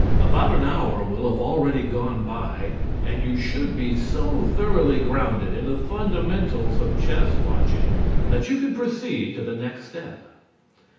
About an hour will have already gone by and you should be so thoroughly grounded in the fundamentals of chess watching that you can proceed to the next step.